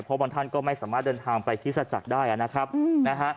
เพราะบางท่านก็ไม่สามารถเดินทางไปฮิตสัจจักรได้อ่ะนะครับอือ